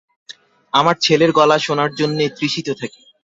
আমার ছেলের গলা শোনার জন্যে তৃষিত থাকি।